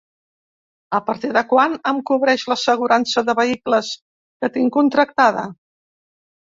A partir de quan em cobreix l'assegurança de vehicles que tinc contractada?